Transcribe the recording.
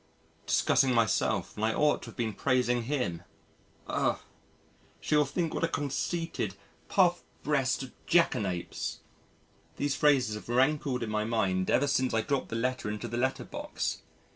Discussing myself when I ought to have been praising him! Ugh! She will think what a conceited, puff breasted Jackanapes. These phrases have rankled in my mind ever since I dropped the letter into the letter box.